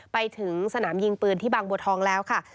ไปถึงสนามยิงปืนที่บางบัวทองแล้วค่ะ